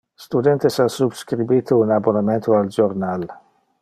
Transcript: Studentes ha subscribite un abonamento al jornal.